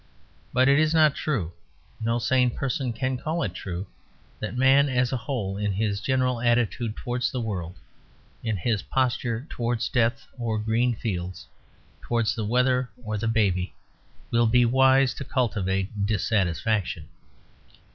But it is not true, no sane person can call it true, that man as a whole in his general attitude towards the world, in his posture towards death or green fields, towards the weather or the baby, will be wise to cultivate dissatisfaction.